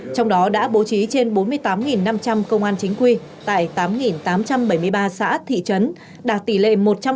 trong đó đã bố trí trên bốn mươi tám năm trăm linh công an chính quy tại tám tám trăm bảy mươi ba xã thị trấn đạt tỷ lệ một trăm linh